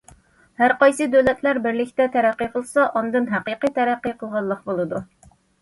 ھەرقايسى دۆلەتلەر بىرلىكتە تەرەققىي قىلسا، ئاندىن ھەقىقىي تەرەققىي قىلغانلىق بولىدۇ.